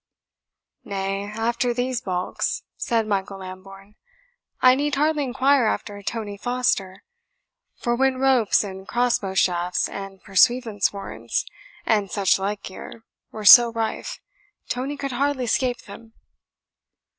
"Nay, after these baulks," said Michael Lambourne, "I need hardly inquire after Tony Foster; for when ropes, and crossbow shafts, and pursuivant's warrants, and such like gear, were so rife, Tony could hardly 'scape them."